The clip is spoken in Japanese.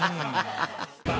ハハハ。